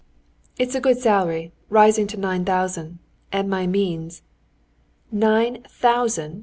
"It's a good salary, rising to nine thousand, and my means...." "Nine thousand!"